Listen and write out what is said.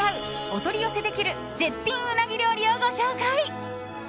お取り寄せできる絶品うなぎ料理をご紹介。